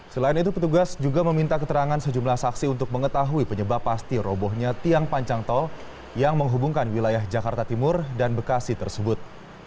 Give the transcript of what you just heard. selain itu petugas juga meminta keterangan sejumlah saksi untuk mengetahui penyebab pasti robohnya tiang panjang tol yang menghubungkan wilayah jakarta timur dan bekasi tersebut